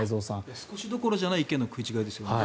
少しどころじゃない意見の食い違いですよね。